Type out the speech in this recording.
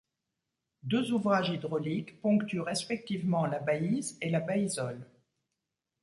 Deux ouvrages hydrauliques ponctuent respectivement la Baïse et la Baïsole.